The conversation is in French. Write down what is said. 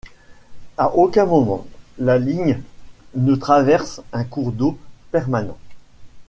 À aucun moment, la ligne ne traverse un cours d'eau permanent.